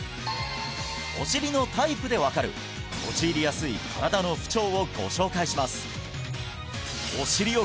お尻のタイプで分かる陥りやすい身体の不調をご紹介します